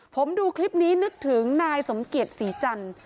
ผมดูคลิปนี้นึกถึงนายสมเกียจศรีจันทร์